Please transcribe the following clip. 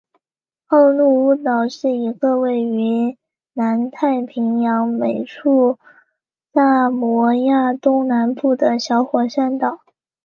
奥努乌岛是一个位于南太平洋美属萨摩亚东南部的小火山岛。